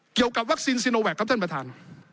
เกี่ยวกับวัคซีนซีโนแวคครับท่านประธาน